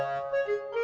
gak ada apa apa